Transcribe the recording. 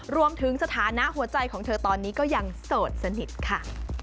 รวมถึงสถานะหัวใจของเธอตอนนี้ก็ยังโสดสนิทค่ะ